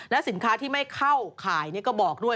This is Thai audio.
สินค้าที่ไม่เข้าข่ายก็บอกด้วย